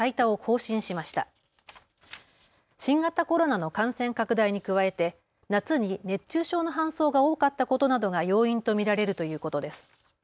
新型コロナの感染拡大に加えて夏に熱中症の搬送が多かったことなどが要因と見られるということです。